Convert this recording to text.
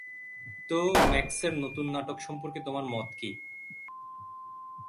তো, ম্যাক্সের নতুন নাটক সম্পর্কে তোমার মত কি?